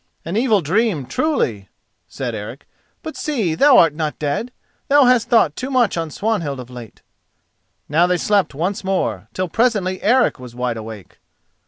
"An evil dream, truly," said Eric; "but see, thou art not dead. Thou hast thought too much on Swanhild of late." Now they slept once more, till presently Eric was wide awake.